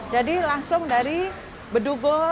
jadi langsung dari bedugo belanda